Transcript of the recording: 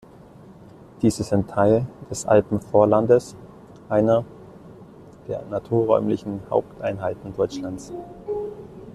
Diese sind Teil des Alpenvorlandes, einer der Naturräumlichen Haupteinheiten Deutschlands.